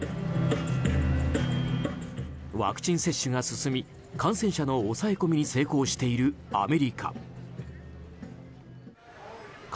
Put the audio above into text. ワクチン接種が進み感染者の抑え込みに成功しているアメリカ。